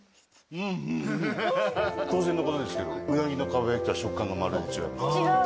当然のことですけどウナギのかば焼きとは食感がまるで違います。